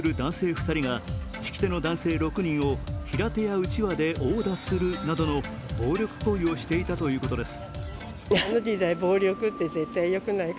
２人が曳き手の男性６人を平手やうちわで殴打するなどの暴力行為をしていたということです。